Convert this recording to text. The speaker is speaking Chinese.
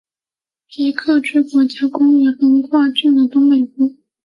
皮克区国家公园横跨郡的东北部。